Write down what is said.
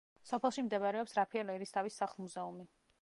სოფელში მდებარეობს რაფიელ ერისთავის სახლ-მუზეუმი.